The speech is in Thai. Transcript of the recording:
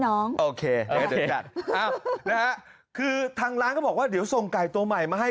น้องโอเคหละคือทางร้านก็บอกว่าเดี๋ยวส่งกายตัวใหม่มาให้